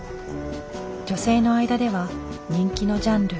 女性の間では人気のジャンル。